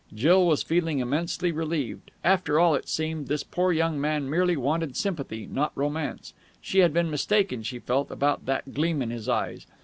Jill was feeling immensely relieved. After all, it seemed, this poor young man merely wanted sympathy, not romance. She had been mistaken, she felt, about that gleam in his eyes.